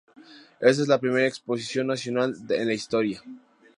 Esta es la primera exposición nacional en la historia.